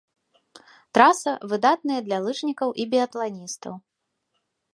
Траса выдатныя для лыжнікаў і біятланістаў.